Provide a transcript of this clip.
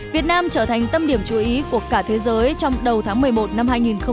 việt nam trở thành tâm điểm chú ý của cả thế giới trong đầu tháng một mươi một năm hai nghìn hai mươi